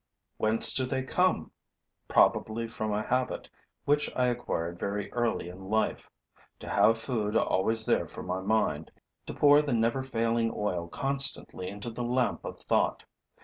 Whence do they come? Probably from a habit which I acquired very early in life: to have food always there for my mind, to pour the never failing oil constantly into the lamp of thought.